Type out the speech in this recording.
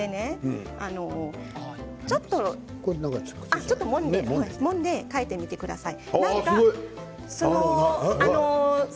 ちょっともんで嗅いでみてください。